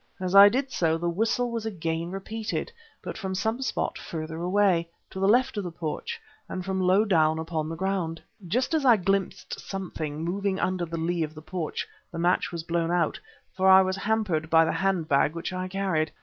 As I did so, the whistle was again repeated, but from some spot further away, to the left of the porch, and from low down upon the ground. Just as I glimpsed something moving under the lee of the porch, the match was blown out, for I was hampered by the handbag which I carried.